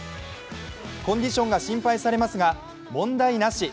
コンディションが心配されますが、問題なし。